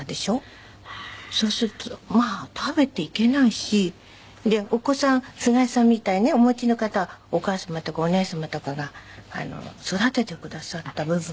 そうするとまあ食べていけないしでお子さん菅井さんみたいにねお持ちの方はお母様とかお姉様とかが育ててくださった部分多いですよ。